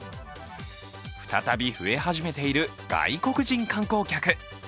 再び増え始めている外国人観光客。